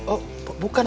oh bukan bu